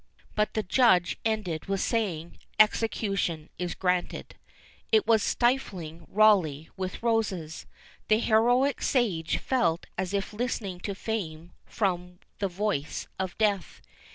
But the judge ended with saying, "execution is granted." It was stifling Rawleigh with roses! the heroic sage felt as if listening to fame from the voice of death.